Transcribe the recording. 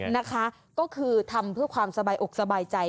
นะคะก็คือทำเพื่อความสบายอกสบายใจ